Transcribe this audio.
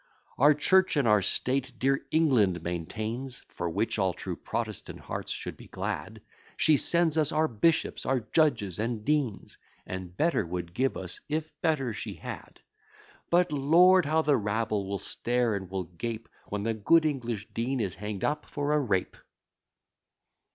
Our church and our state dear England maintains, For which all true Protestant hearts should be glad: She sends us our bishops, our judges, and deans, And better would give us, if better she had. But, lord! how the rabble will stare and will gape, When the good English dean is hang'd up for a rape!